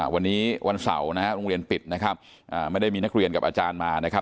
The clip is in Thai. วันนี้วันเสาร์โรงเรียนปิดไม่ได้มีนักเรียนกับอาจารย์มา